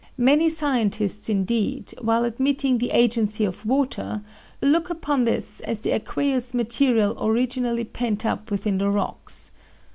Many scientists, indeed, while admitting the agency of water, look upon this as the aqueous material originally pent up within the rocks.